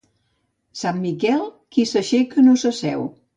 Sant Miquel, qui s'aixeca no s'asseu.